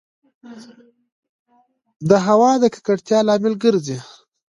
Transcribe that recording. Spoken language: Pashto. د هــوا د ککــړتـيـا لامـل ګـرځـي